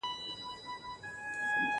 ښځي په ټولنه کي د بدلون راوستلو وړتیا لري.